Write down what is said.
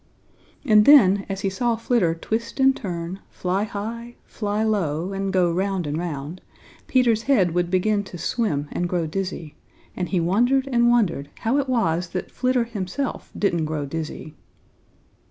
And then, as he saw Flitter twist and turn, fly high, fly low, and go round and round, Peter's head would begin to swim and grow dizzy, and he wondered and wondered how it was that Flitter himself didn't grow dizzy.